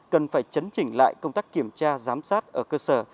cần phải chấn chỉnh lại công tác kiểm tra giám sát ở cơ sở